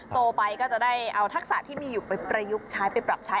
โตไปก็จะได้เอาทักษะที่มีอยู่ไปประยุกต์ใช้ไปปรับใช้